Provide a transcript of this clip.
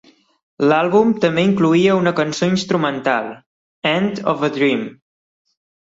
L'àlbum també incloïa una cançó instrumental, "End Of A Dream".